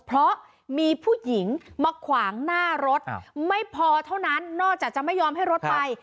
เพราะมีผู้หญิงมาขวางหน้ารถไม่พอเท่านั้นนอกจากจะไม่ยอมให้รถไป